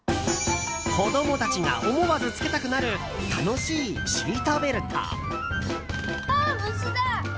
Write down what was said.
子供たちが思わずつけたくなる楽しいシートベルト。